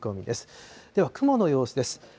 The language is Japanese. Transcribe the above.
では雲の様子です。